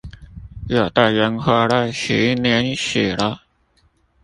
有的人活了十年死了